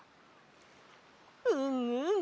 うんうん。